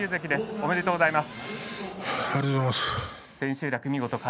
ありがとうございます。